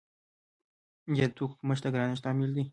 یا د توکو کمښت د ګرانښت لامل دی؟